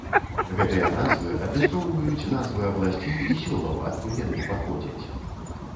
Гэтыя назвы адлюстроўваюць назвы абласцей і сёлаў, адкуль яны паходзяць.